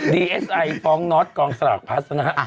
ดีเอสไอฟองนอสกองสลากพาสนา